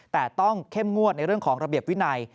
แต่ต้องเข้มงวดในเรื่องของระเบียบวินัย